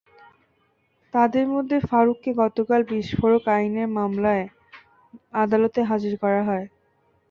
তাঁদের মধ্যে ফারুককে গতকাল বিস্ফোরক আইনের মামলায় আদালতে হাজির করা হয়।